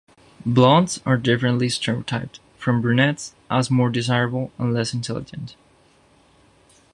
Blondes are differently stereotyped from brunettes as more desirable and less intelligent.